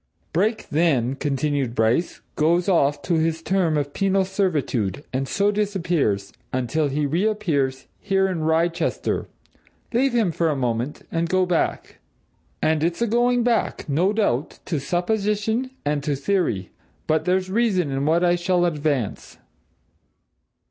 "Brake, then," continued Bryce, "goes off to his term of penal servitude, and so disappears until he reappears here in Wrychester. Leave him for a moment, and go back. And it's a going back, no doubt, to supposition and to theory but there's reason in what I shall advance.